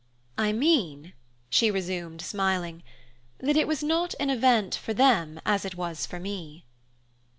"I mean," she resumed smiling, "that it was not an event for them, as it was for me."